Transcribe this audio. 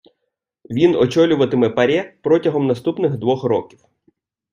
Він очолюватиме ПАРЄ протягом наступних двох років.